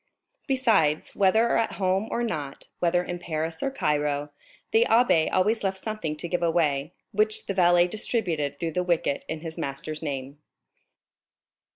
Besides, whether at home or not, whether in Paris or Cairo, the abbé always left something to give away, which the valet distributed through this wicket in his master's name.